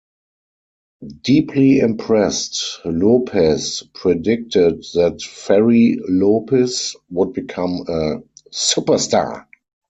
Deeply impressed, Lopez predicted that Ferri Llopis would become a superstar.